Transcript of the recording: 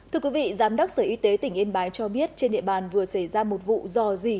thưa quý vị giám đốc sở y tế tỉnh yên bái cho biết trên địa bàn vừa xảy ra một vụ dò dỉ